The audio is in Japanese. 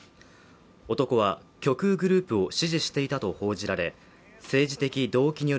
男は極右グループを支持していたと報じられ、政治的動機による